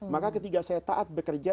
maka ketika saya taat bekerja